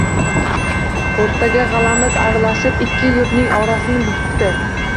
O‘rtaga g‘alamis aralashib ikki yurtning orasini buzibdi.